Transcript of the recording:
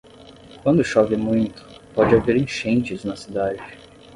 Quando chove muito, pode haver enchentes na cidade.